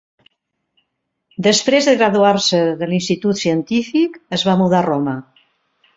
Després de graduar-se de l'institut científic, es va mudar a Roma.